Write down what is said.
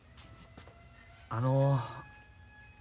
あの。